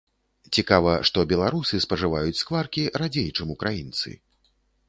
Цікава, што беларусы спажываюць скваркі радзей, чым украінцы.